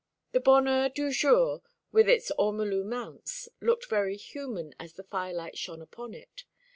The bonheur du jour, with its ormolu mounts, looked very human as the firelight shone upon it.